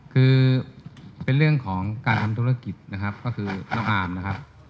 คือเป็นเรื่องของการทำธุรกิจนะครับก็คือน้องอาร์มนะครับ